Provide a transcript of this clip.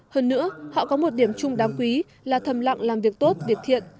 hơn nữa họ có một điểm chung đáng quý là thầm lặng làm việc tốt việt thiện